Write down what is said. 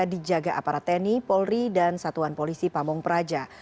dijaga aparat tni polri dan satuan polisi pamung praja